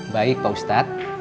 baik pak ustadz